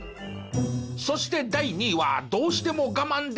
そして第２位はどうしてもハハハハ！